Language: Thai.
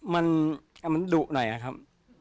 มันดุหน่อยนะครับ